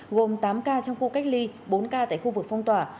gồm tám ca trong khu cách ly bốn ca tại khu vực phong tỏa